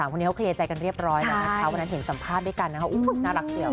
๓คนนี้เคลียร์ใจกันเรียบร้อยนะครับวันนั้นเห็นสัมภาษณ์ด้วยกันนะครับน่ารักเกี่ยว